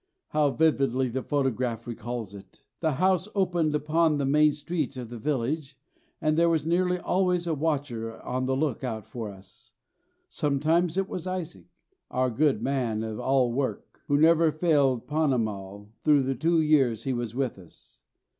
How vividly the photograph recalls it! The house opened upon the main street of the village, and there was nearly always a watcher on the look out for us. Sometimes it was Isaac, our good man of all work, who never failed Ponnamal through the two years he was with us.